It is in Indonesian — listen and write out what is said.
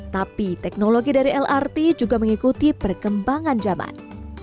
tapi teknologi dari lrt juga mengikuti perkembangan zaman